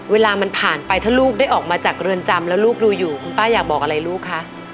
เวลามันผ่านไปถ้าลูกได้ออกมาจากเรือนจำแล้วลูกดูอยู่คุณป้าอยากบอกอะไรลูกคะ